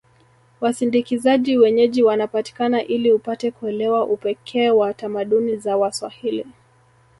Wasindikizaji wenyeji wanapatikana ili upate kuelewa upekee wa tamaduni za waswahili